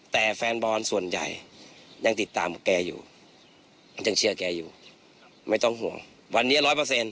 แต่แฟนบอลส่วนใหญ่ยังติดตามแกอยู่ยังเชื่อแกอยู่ไม่ต้องห่วงวันนี้ร้อยเปอร์เซ็น